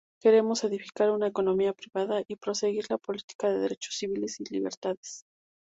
Queremos edificar una economía privada, y proseguir la política de derechos civiles y libertades.